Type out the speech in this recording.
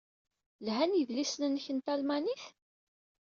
Lhan yedlisen-nnek n talmanit?